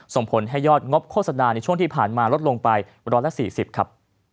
ส่งผลให้ยอดงบโฆษณาในช่วงที่ผ่านมาลดลงไป๑๔๐ครับ